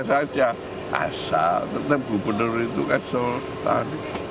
raja kasatan tetap gubernur itu kan sultan